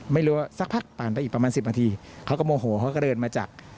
ไม่รู้ว่าสักพักผ่านไปอีกประมาณ๑๐นาทีเขาก็โมโหเขาก็เดินมาจาก